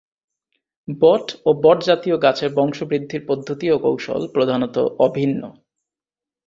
বট ও বট জাতীয় গাছের বংশ বৃদ্ধির পদ্ধতি ও কৌশল প্রধানত অভিন্ন।